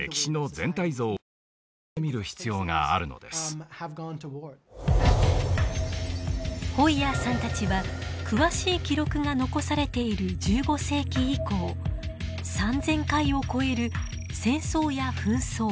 中心的メンバーのホイヤーさんたちは詳しい記録が残されている１５世紀以降３，０００回を超える戦争や紛争